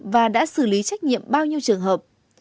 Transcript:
và đã xử lý trách nhiệm bao nhiêu trường hợp